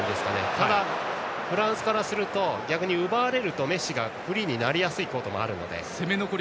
ただ、フランスからすると逆に奪われるとメッシがフリーになりやすいことになりますので。